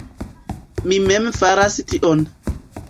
Mi mem faras tion.